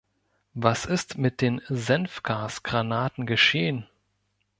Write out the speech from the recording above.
Was ist mit den Senfgasgranaten geschehen?